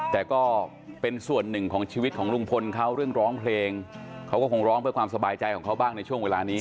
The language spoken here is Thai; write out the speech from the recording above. แต่ก็เป็นส่วนหนึ่งของชีวิตของลุงพลเขาเรื่องร้องเพลงเขาก็คงร้องเพื่อความสบายใจของเขาบ้างในช่วงเวลานี้